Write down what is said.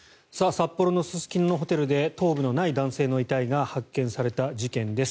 札幌のすすきののホテルで頭部のない男性の遺体が発見された事件です。